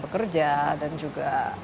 kerja dan juga